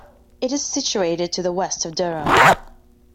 It is situated to the west of Durham.